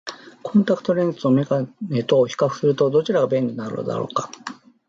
コンタクトレンズと眼鏡とを比較すると、どちらが便利なのだろうか。